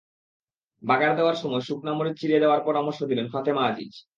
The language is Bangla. বাগার দেওয়ার সময় শুকনা মরিচ চিরে দেওয়ার পরামর্শ দিলেন ফাতেমা আজিজ।